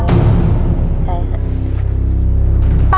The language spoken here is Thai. ใครครับ